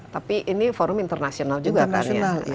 tapi ini forum internasional juga kan